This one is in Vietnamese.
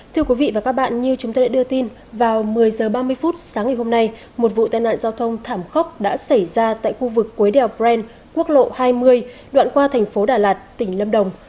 thưa quý vị và các bạn như chúng tôi đã đưa tin vào một mươi h ba mươi phút sáng ngày hôm nay một vụ tai nạn giao thông thảm khốc đã xảy ra tại khu vực cuối đèo bren quốc lộ hai mươi đoạn qua thành phố đà lạt tỉnh lâm đồng